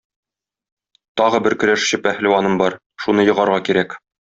Тагы бер көрәшче пәһлеваным бар, шуны егарга кирәк.